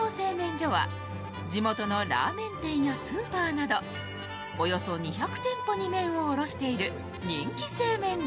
所は地元のラーメン店やスーパーなどおよそ２００店舗に麺を卸している人気製麺所。